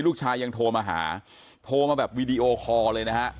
ลูกชายยังโทรมาหาโทรมาแบบวีดีโอคอร์เลยนะฮะ